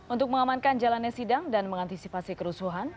untuk mengamankan jalannya sidang dan mengantisipasi kerusuhan